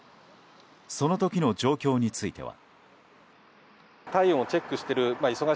その時の状況については。